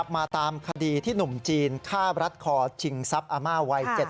มาตามคดีที่หนุ่มจีนฆ่ารัดคอชิงทรัพย์อาม่าวัย๗๐